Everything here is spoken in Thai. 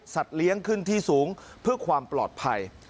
เลี้ยงขึ้นที่สูงเพื่อความปลอดภัย